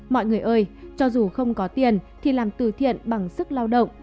mọi người ơi cho dù không có tiền thì làm từ thiện bằng sức lao động